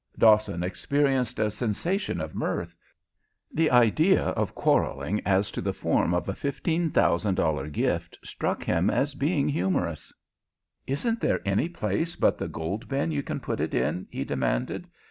Dawson experienced a sensation of mirth. The idea of quarrelling as to the form of a $15,000 gift struck him as being humorous. "Isn't there any place but the gold bin you can put it in?" he demanded.